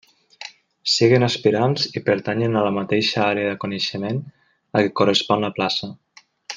Siguen aspirants i pertanyen a la mateixa àrea de coneixement a què correspon la plaça.